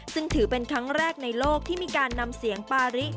ซึ่งถือเป็นครั้งแรกในโลกที่มีการนำเสียงปาริ